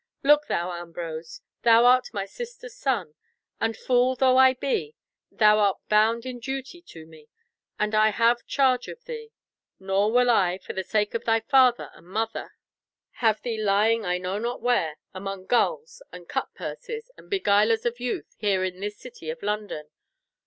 "Look thou, Ambrose, thou art my sister's son, and fool though I be, thou art bound in duty to me, and I to have charge of thee, nor will I—for the sake of thy father and mother—have thee lying I know not where, among gulls, and cutpurses, and beguilers of youth here in this city of London.